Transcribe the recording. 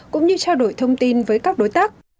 cũng như trao đổi thông tin với các đối tác